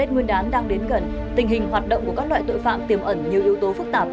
tết nguyên đán đang đến gần tình hình hoạt động của các loại tội phạm tiềm ẩn nhiều yếu tố phức tạp